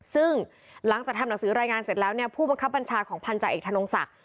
ซึ่งหลังจากทำหนังสือรายงานเสร็จแล้วเนี่ยผู้บังคับบัญชาของพันธาเอกธนงศักดิ